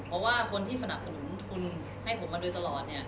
เพราะว่าคนที่สนับสนุนทุนให้ผมมาโดยตลอด